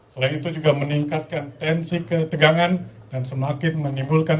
selain itu juga meningkatkan tensi ketegangan dan semakin menimbulkan